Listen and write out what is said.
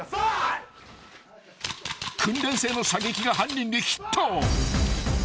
［訓練生の射撃が犯人にヒット］